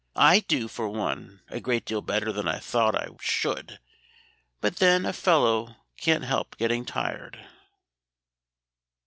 I do, for one, a great deal better than I thought I should. But then a fellow can't help getting tired."